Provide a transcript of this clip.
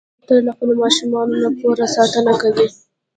کوتره له خپلو ماشومانو نه پوره ساتنه کوي.